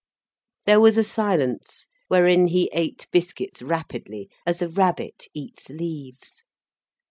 There was a silence, wherein he ate biscuits rapidly, as a rabbit eats leaves.